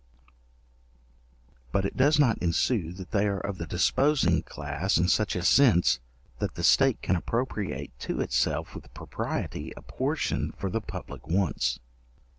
But it does not ensue that they are of the disposing class in such a sense, that the state can appropriate to itself with propriety a portion for the public wants.